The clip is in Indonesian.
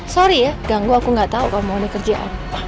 sorry ya ganggu aku gak tau kamu ada kerjaan